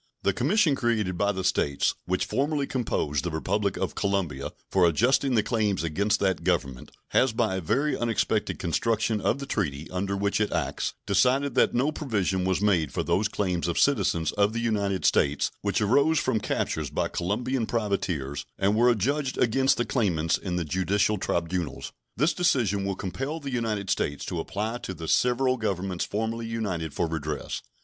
The commission created by the States which formerly composed the Republic of Colombia for adjusting the claims against that Government has by a very unexpected construction of the treaty under which it acts decided that no provision was made for those claims of citizens of the United States which arose from captures by Colombian privateers and were adjudged against the claimants in the judicial tribunals. This decision will compel the United States to apply to the several Governments formerly united for redress.